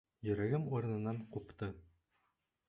Йөрәгем урынынан ҡупты.